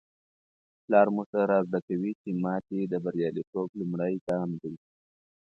پلار موږ ته را زده کوي چي ماتې د بریالیتوب لومړی ګام دی.